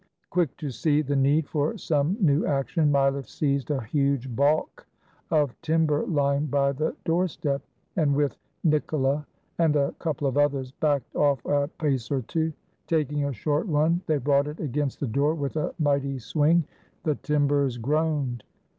Quick to see the need for some new action, Mileff seized a huge balk of timber lying by the doorstep, and with Nicola and a couple of others, backed off a pace or two. Taking a short run, they brought it against the door with a mighty swing. The timbers groaned.